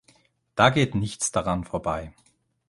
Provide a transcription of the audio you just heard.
Da geht nichts daran vorbei.